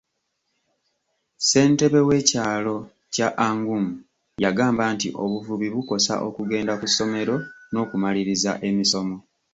Ssentebe w'ekyalo kya Angumu yagamba nti obuvubi bukosa okugenda ku ssomero n'okumaliriza emisomo.